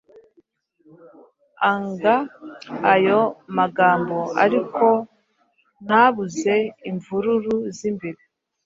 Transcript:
Aanga ayo magambo, ariko ntabuze imvururu zimbere,